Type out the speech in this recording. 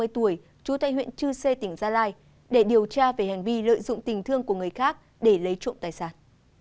ba mươi tuổi trú tại huyện chư sê tỉnh gia lai để điều tra về hành vi lợi dụng tình thương của người khác để lấy trộm tài sản